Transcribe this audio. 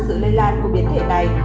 sự lây lan của biến thể này